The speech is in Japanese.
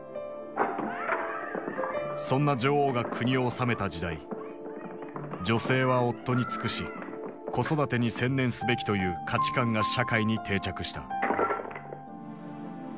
そんな女王が国を治めた時代女性は夫に尽くし子育てに専念すべきという価値観が社会に定着した。